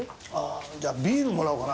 じゃあビールもらおうかな。